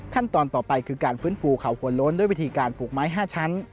ขั้นตอนต่อไปคือการฟื้นฟูเขาหัวโล้นด้วยวิธีการปลูกไม้๕ชั้น